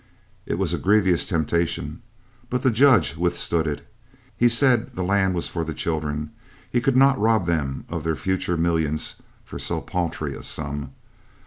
It was a grievous temptation, but the judge withstood it. He said the land was for the children he could not rob them of their future millions for so paltry a sum.